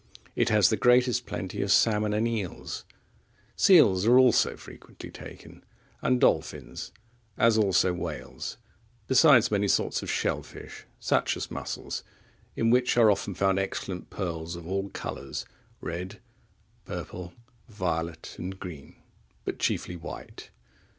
It has the greatest plenty of salmon and eels; seals are also frequently taken, and dolphins, as also whales; besides many sorts of shell fish, such as mussels, in which are often found excellent pearls of all colours, red, purple, violet and green, but chiefly white.